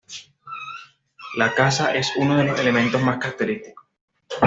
La caza es uno de los elementos más característicos.